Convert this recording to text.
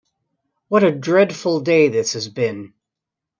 What a dreadful day this has been!